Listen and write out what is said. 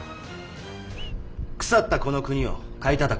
腐ったこの国を買いたたく！